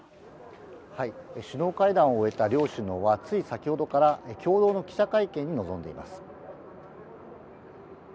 首脳会談を終えた両首脳は、つい先ほどから共同の記者会見に臨んでいます。